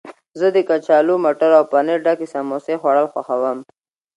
زه د کچالو، مټرو او پنیر ډکې سموسې خوړل خوښوم.